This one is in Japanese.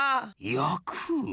やく？